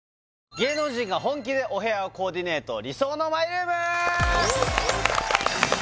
芸能人が本気でお部屋をコーディネート理想のマイルーム！